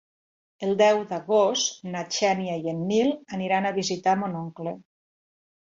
El deu d'agost na Xènia i en Nil aniran a visitar mon oncle.